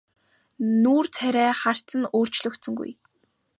Нүүр царай харц нь ч өөрчлөгдсөнгүй.